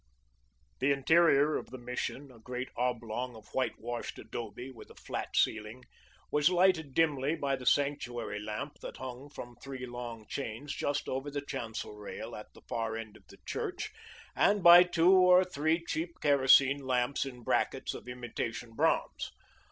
The interior of the Mission, a great oblong of white washed adobe with a flat ceiling, was lighted dimly by the sanctuary lamp that hung from three long chains just over the chancel rail at the far end of the church, and by two or three cheap kerosene lamps in brackets of imitation bronze.